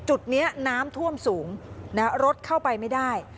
จุดนี้น้ำท่วมสูงรถเข้าไปไม่ได้